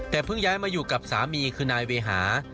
แต่เพิ่งย้ายมาอยู่กับสามีคือนายเวหา